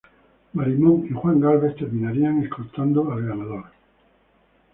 Marimón y Juan Gálvez terminarían escoltando al ganador.